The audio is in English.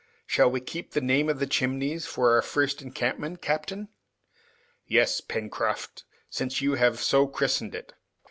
Shall we keep the name of the Chimneys for our first encampment, captain?" "Yes, Pencroft, since you have so christened it."